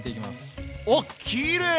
おっきれい！